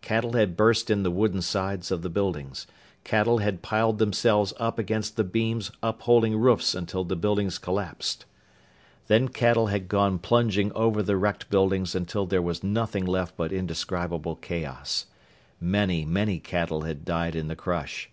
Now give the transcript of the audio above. Cattle had burst in the wooden sides of the buildings. Cattle had piled themselves up against the beams upholding roofs until the buildings collapsed. Then cattle had gone plunging over the wrecked buildings until there was nothing left but indescribable chaos. Many, many cattle had died in the crush.